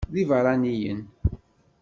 D ibeṛṛaniyen.